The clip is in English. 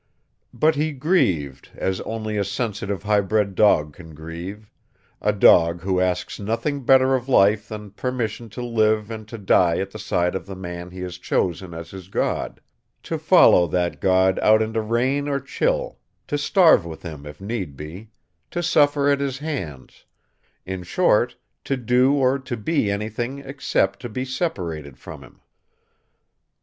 But he grieved, as only a sensitive highbred dog can grieve a dog who asks nothing better of life than permission to live and to die at the side of the man he has chosen as his god; to follow that god out into rain or chill; to starve with him, if need be; to suffer at his hands in short, to do or to be anything except to be separated from him.